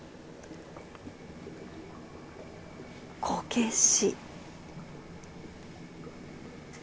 こけし。